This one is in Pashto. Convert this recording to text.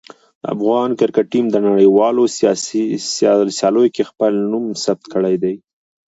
د افغان کرکټ ټیم د نړیوالو سیالیو کې خپل نوم ثبت کړی دی.